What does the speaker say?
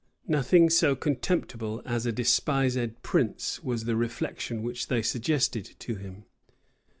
"Nothing so contemptible as a despised prince!" was the reflection which they suggested to him.